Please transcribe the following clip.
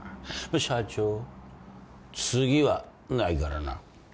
社長次はないからな。